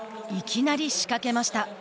いきなり仕掛けました。